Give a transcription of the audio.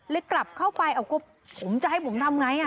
กลับเข้าไปผมจะให้ผมทำไง